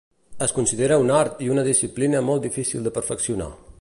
Es considera un art i una disciplina molt difícil de perfeccionar.